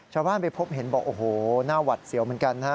ชาวบ้านไปพบเห็นบอกโอ้โหหน้าหวัดเสียวเหมือนกันนะฮะ